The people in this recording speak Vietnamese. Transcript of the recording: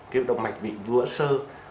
cái động mạch bị vữa sơ